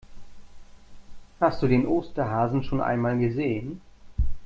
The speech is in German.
Hast du den Osterhasen schon einmal gesehen?